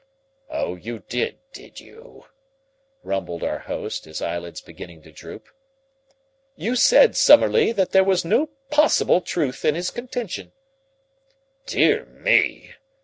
"Oh, you did, did you?" rumbled our host, his eyelids beginning to droop. "You said, Summerlee, that there was no possible truth in his contention." "Dear me!"